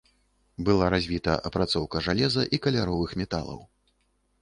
Была развіта апрацоўка жалеза і каляровых металаў.